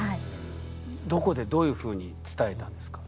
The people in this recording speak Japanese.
どこでどういうふうに伝えたんですか？